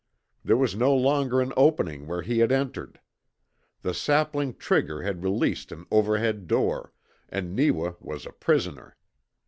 There was no longer an opening where he had entered. The sapling "trigger" had released an over head door, and Neewa was a prisoner.